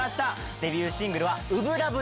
デビューシングルは初心ＬＯＶＥ